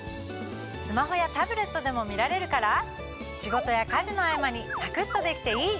スマホやタブレットでも見られるから仕事や家事の合間にさくっとできていい！